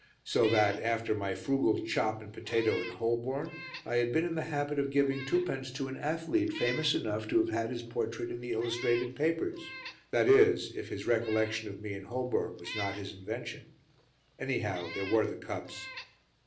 So that, after my frugal chop and potato in Holborn, I had been in the habit of giving twopence to an athlete famous enough to have had his portrait in the illustrated papers that is, if his recollection of me in Holborn was not his invention; anyhow, there were the cups.